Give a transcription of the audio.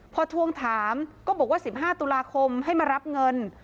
พอทวงถามก็บอกว่า๑๕ตุลาคมให้มารับเงิน